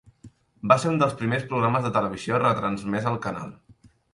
Va ser un dels primers programes de televisió retransmès al canal.